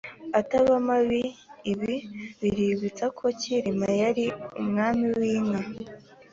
ataba mabi ibi biributsa ko cyilima yari umwami w’inka